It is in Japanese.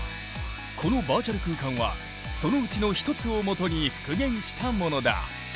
このバーチャル空間はそのうちの一つを基に復元したものだ。